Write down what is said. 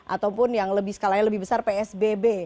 ataupun yang skalanya lebih besar psbb